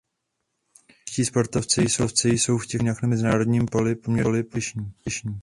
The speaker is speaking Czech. Čeští sportovci jsou v těchto disciplínách na mezinárodním poli poměrně úspěšní.